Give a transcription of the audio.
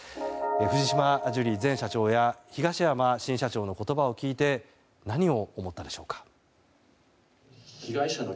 藤島ジュリー前社長や東山新社長の言葉を聞いて何を思ったんでしょうか。